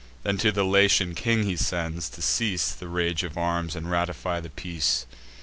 Then to the Latian king he sends, to cease The rage of arms, and ratify the peace.